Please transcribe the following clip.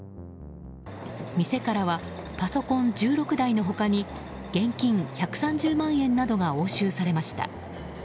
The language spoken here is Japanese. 店からはパソコン１６台の他に現金１３０万円などが押収されました。